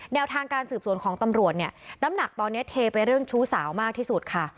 แนวทางการสืบสวนของตำรวจเนี่ยน้ำหนักตอนนี้เทไปเรื่องชู้สาวมากที่สุดค่ะ